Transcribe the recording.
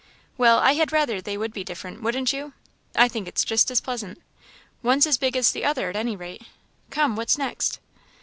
"Well, I had rather they would be different wouldn't you? I think it's just as pleasant. One's as big as the other at any rate. Come, what's next?"